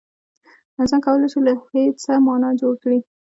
انسان کولای شي له هېڅه مانا جوړ کړي.